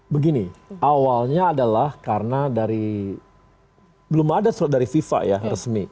begini awalnya adalah karena dari belum ada surat dari fifa ya resmi